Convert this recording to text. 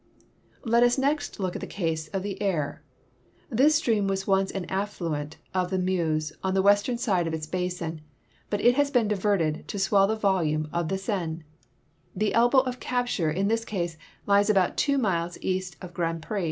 — Let us next look at tlie case of the Aire. Tins stream was once an affluent of the Meuse on the we.stern side, of its basin. but it has been diverted to swell the volume of tlie Seine. The elbow of cap ture in this case lies about two miles east of Grand Pre.